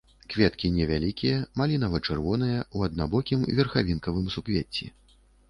Кветкі невялікія, малінава-чырвоныя, у аднабокім верхавінкавым суквецці.